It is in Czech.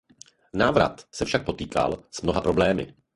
Návrat se však potýkal s mnoha problémy.